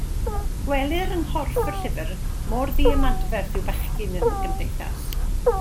Gwelir yng nghorff y llyfr mor ddiymadferth yw bechgyn yn y gymdeithas.